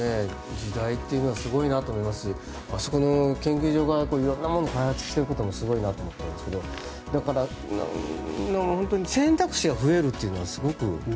時代っていうのはすごいなと思いますしあそこの研究所が色々なものを開発しているのもすごいなと思ったんですけどだから選択肢が増えるというのがすごく。